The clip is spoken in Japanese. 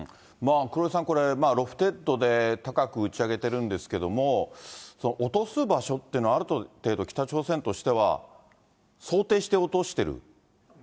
黒井さん、これ、ロフテッドで高く打ち上げてるんですけど、落とす場所っていうのは、ある程度、北朝鮮としては想定して落としてる？